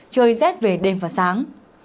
trời rét về đêm và sáng